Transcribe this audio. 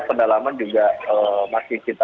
perdalaman juga masih kita